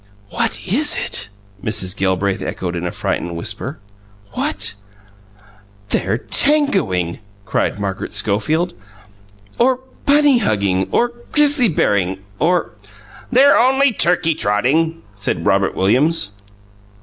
"WHAT IS IT?" Mrs. Gelbraith echoed in a frightened whisper. "WHAT " "They're Tangoing!" cried Margaret Schofield. "Or Bunny Hugging or Grizzly Bearing, or " "They're only Turkey Trotting," said Robert Williams.